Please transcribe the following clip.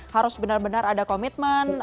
harus benar benar ada komitmen